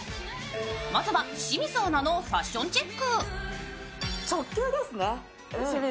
まずは清水アナのファッションチェック。